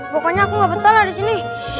pokoknya aku gak betah lah disini